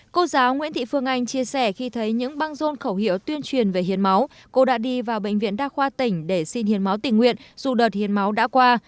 cô giáo nguyễn thị phương anh chia sẻ khi thấy những băng rôn khẩu hiệu tuyên truyền về hiến máu cô đã đi vào bệnh viện đa khoa tỉnh để xin hiến máu tình nguyện dù đợt hiến máu đã qua